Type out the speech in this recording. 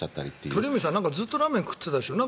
鳥海さん、ずっとラーメン食べてたでしょう。